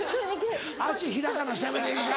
脚開かなしゃべれんか？